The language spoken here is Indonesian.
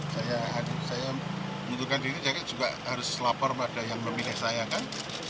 saya saya mundurkan diri juga harus lapar pada yang memilih saya kan